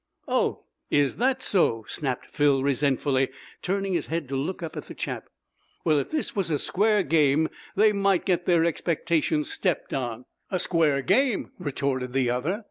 "Oh, is that so?" snapped Phil resentfully, turning his head to look up at the chap. "Well, if this was a square game they might get their expectations stepped on." "A square game!" retorted the other.